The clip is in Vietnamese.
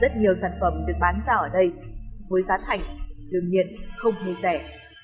rất nhiều sản phẩm được bán ra ở đây với giá thành đương nhiên không hề rẻ